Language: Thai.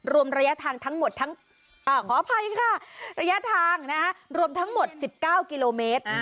รวมระยะทางทั้งหมดทั้งขออภัยค่ะระยะทางรวมทั้งหมด๑๙กิโลเมตร